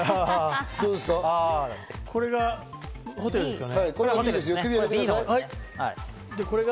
これがホテルですよね。